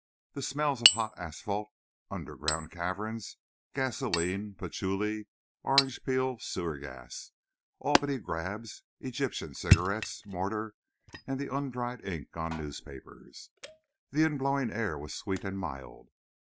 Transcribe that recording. The smells of hot asphalt, underground caverns, gasoline, patchouli, orange peel, sewer gas, Albany grabs, Egyptian cigarettes, mortar and the undried ink on newspapers. The inblowing air was sweet and mild.